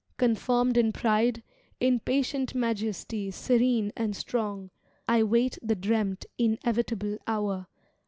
Confirmed in pride, In patient majesty serene and strong, I wait the dreamt, inevitable hour.